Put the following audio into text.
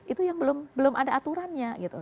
itu yang belum ada aturannya gitu